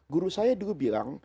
guru saya dulu bilang